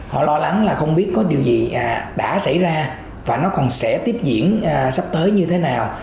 họ lo lắng là không biết có điều gì đã xảy ra và nó còn sẽ tiếp diễn sắp tới như thế nào